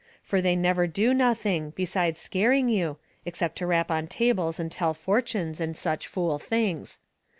Fur they never do nothing, besides scaring you, except to rap on tables and tell fortunes, and such fool things.